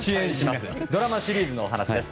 刑事ドラマシリーズのお話です。